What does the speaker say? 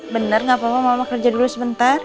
benar gak apa apa mama kerja dulu sebentar